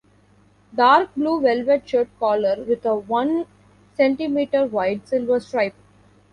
Dark blue velvet shirt collar with a one centimetre wide silver stripe.